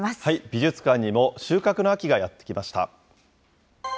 美術館にも収穫の秋がやって来ました。